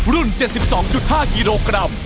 รุ่น๗๒๕กิโลกรัม